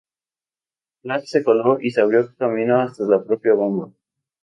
Flag se coló y se abrió camino hasta la propia bomba.